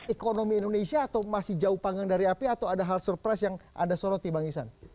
ekonomi indonesia atau masih jauh panggang dari api atau ada hal surprise yang anda soroti bang isan